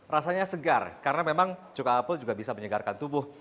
rasanya segar karena memang cuka apel juga bisa menyegarkan tubuh